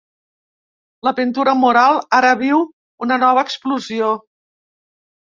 La pintura mural ara viu una nova explosió.